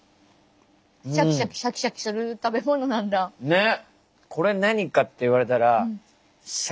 ねっ！